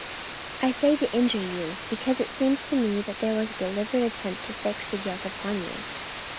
"I say to injure you, because it seems to me that there was a deliberate attempt to fix the guilt upon you.